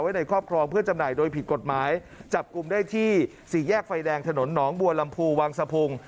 ในครอบครองเพื่อจำหน่ายโดยผิดกฎหมายจับกลุ่มได้ที่สี่แยกไฟแดงถนนหนองบัวลำพูวังสะพุง